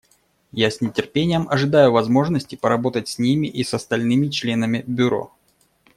Я с нетерпением ожидаю возможности поработать с ними и с остальными членами Бюро.